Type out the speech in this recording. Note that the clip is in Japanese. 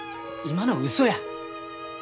今のうそや。